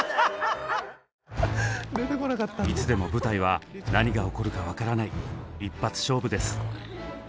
いつでも舞台は何が起こるか分からない一発勝負です。